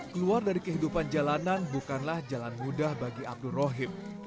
keluar dari kehidupan jalanan bukanlah jalan mudah bagi abdul rohim